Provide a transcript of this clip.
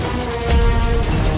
tidak ada yang bisa dihukum